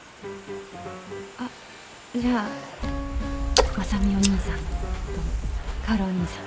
あっじゃあ正海お兄さんと薫お兄さん。